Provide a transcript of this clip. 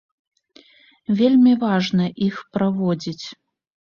Вельмі важна іх праводзіць.